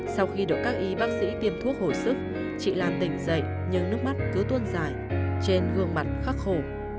sau khi được các y bác sĩ tiêm thuốc hồi sức chị làm tỉnh dậy nhưng nước mắt cứ tuôn dài trên gương mặt khắc khổ